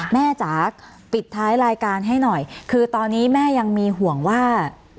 จ๋าปิดท้ายรายการให้หน่อยคือตอนนี้แม่ยังมีห่วงว่า